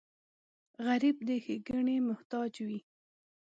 غریب د ښېګڼې محتاج وي